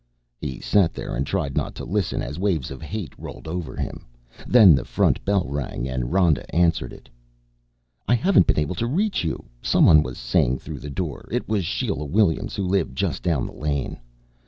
He sat there and tried not to listen as waves of hate rolled over him. Then the front bell rang and Rhoda answered it. "I haven't been able to reach you," someone was saying through the door. It was Sheila Williams who lived just down the lane.